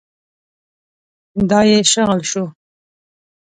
دا يې شغل شو.